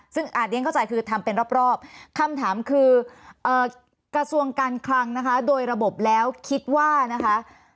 ซึ่งอาจเรียนเข้าใจคือทำเป็นรอบคำถามคือกระทรวงการคลังนะคะโดยระบบแล้วคิดว่านะคะ